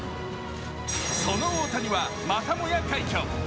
その大谷がまたもや快挙。